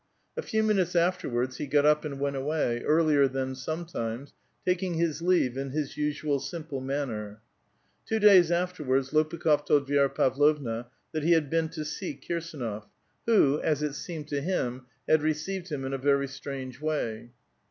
A few minutes aftei'wards he got up and went away, ear lier than some times, taking his leave in his usual simple manner. Two days afterwards Ijopukh6f told Vi<!jra Pavlovna that he had been to see Kirsdnof, who, as it seemed to him, had received him in a very strange way.